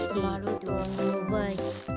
のばして。